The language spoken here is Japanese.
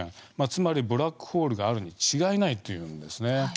つまりブラックホールがあるに違いないというんです。